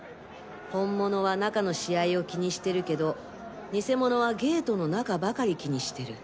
本物は中の試合を気にしてるけど偽物はゲートの中ばかり気にしてる。